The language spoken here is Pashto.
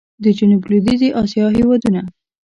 د جنوب لوېدیځي اسیا هېوادونه